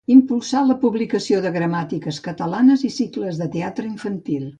Impulsà la publicació de gramàtiques catalanes i cicles de teatre infantil.